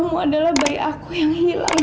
kamu adalah bayi aku yang hilang